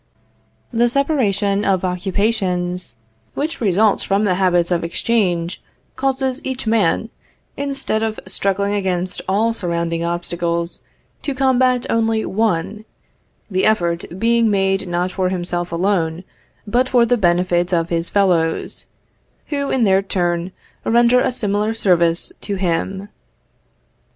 The separation of occupations, which results from the habits of exchange, causes each man, instead of struggling against all surrounding obstacles to combat only one; the effort being made not for himself alone, but for the benefit of his fellows, who, in their turn, render a similar service to him.